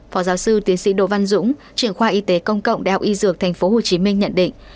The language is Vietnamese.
phó giáo sư tiến sĩ đồ văn dũng truyền khoa y tế công cộng đh y dược tp hcm nhận định